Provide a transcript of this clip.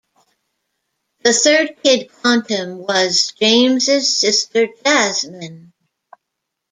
The third Kid Quantum was James' sister Jazmin.